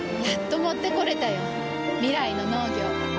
やっと持ってこれたよ。未来の農業。